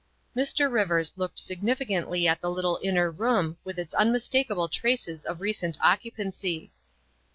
Mr. Rivers looked significantly at the little inner room with its unmistakable traces of recent occupancy.